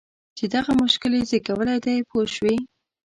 چې دغه مشکل یې زېږولی دی پوه شوې!.